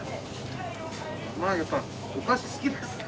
やっぱお菓子好きですね。